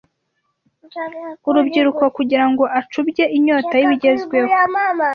urubyiruko kugira ngo acubye inyota y’ibigezweho